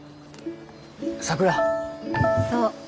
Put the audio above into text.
そう。